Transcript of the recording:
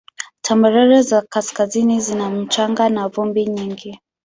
Tambarare za kaskazini zina mchanga na vumbi nyingi.